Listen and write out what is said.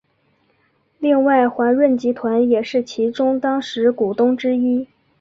另外华润集团也是其中当时股东之一。